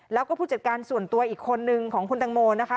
แล้วก็ผู้จัดการส่วนตัวอีกคนนึงของคุณตังโมนะคะ